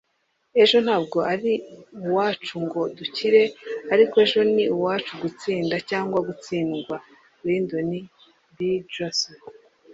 ejo ntabwo ari uwacu ngo dukire, ariko ejo ni uwacu gutsinda cyangwa gutsindwa - lyndon b johnson